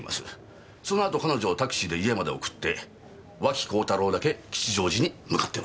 そのあと彼女をタクシーで家まで送って脇幸太郎だけ吉祥寺に向かってます。